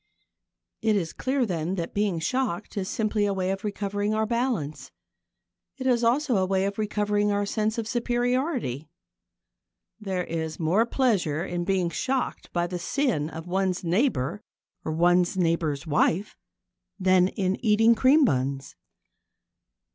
It is clear, then, that being shocked is simply a way of recovering our balance. It is also a way of recovering our sense of superiority. There is more pleasure in being shocked by the sin of one's neighbour or one's neighbour's wife than in eating cream buns.